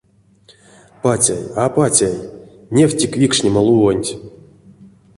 Патяй а патяй, невтик викшнема лувонть.